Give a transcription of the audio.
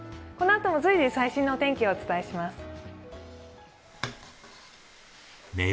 このあとも随時最新の天気をお伝えします。